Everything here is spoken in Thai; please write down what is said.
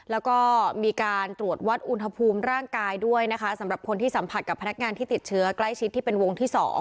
แล้วก็มีการตรวจวัดอุณหภูมิร่างกายด้วยนะคะสำหรับคนที่สัมผัสกับพนักงานที่ติดเชื้อใกล้ชิดที่เป็นวงที่๒